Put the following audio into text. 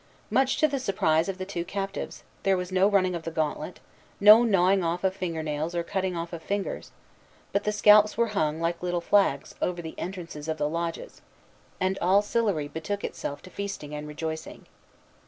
Much to the surprise of the two captives, there was no running of the gantlet, no gnawing off of finger nails or cutting off of fingers; but the scalps were hung, like little flags, over the entrances of the lodges, and all Sillery betook itself to feasting and rejoicing.